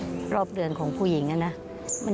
ป้าก็ทำของคุณป้าได้ยังไงสู้ชีวิตขนาดไหนติดตามกัน